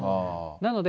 なので。